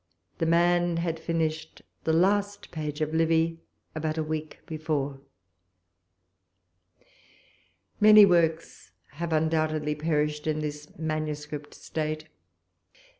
The man had finished the last page of Livy about a week before. Many works have undoubtedly perished in this manuscript state.